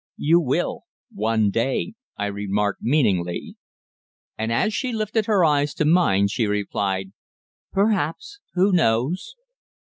"You will one day," I remarked meaningly. And as she lifted her eyes to mine she replied "Perhaps who knows?"